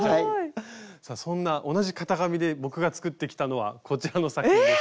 さあそんな同じ型紙で僕が作ってきたのはこちらの作品です。